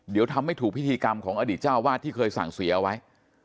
เดี๋ยวทำไม่ถูกพิธีกรรมของอดีตเจ้าวาดที่เคยสั่งเสียเอาไว้